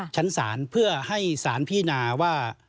ชั้นศาลเพื่อให้สารพินาว่า